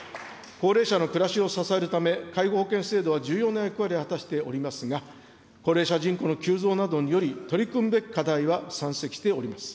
高齢者の暮らしを支えるため、介護保険制度は重要な役割を果たしておりますが、高齢者人口の急増などにより、取り組むべき課題は山積しております。